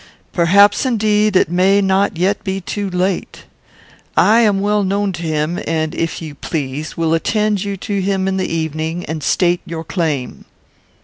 Perhaps, indeed, it may not yet be too late. I am well known to him, and, if you please, will attend you to him in the evening, and state your claim."